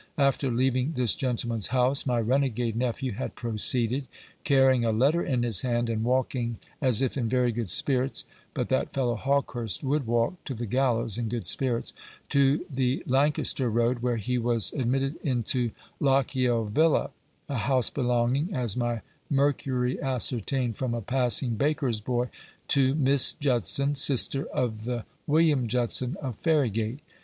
After leaving this gentleman's house, my renegade nephew had proceeded carrying a letter in his hand, and walking as if in very good spirits (but that fellow Hawkehurst would walk to the gallows in good spirits) to the Lancaster Road, where he was admitted into Lochiel Villa, a house belonging, as my Mercury ascertained from a passing baker's boy, to Miss Judson, sister of the William Judson of Ferrygate.